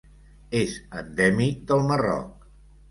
És endèmic del Marroc.